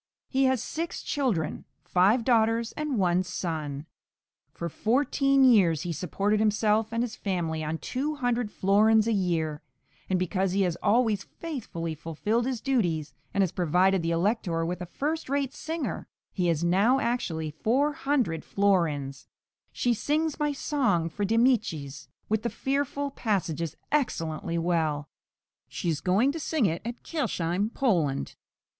He has six children, five daughters and one son. For fourteen years he supported himself and his family on 200 florins a year, and because he has always faithfully fulfilled his duties, and has provided the Elector with a first rate singer, he has now actually 400 florins. She sings my song for De Amicis with the fearful passages excellently well (135 K.); she is going to sing it at Kirchheim Poland.